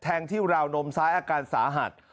ที่ราวนมซ้ายอาการสาหัส